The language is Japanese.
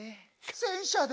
戦車で。